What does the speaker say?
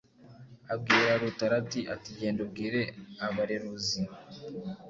Abwira Rutarati ati Genda ubwire abareruzi